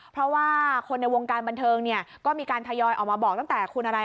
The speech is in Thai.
เพราะว่าคนในวงการบันเทิงเนี่ยก็มีการทยอยออกมาบอกตั้งแต่คุณอะไร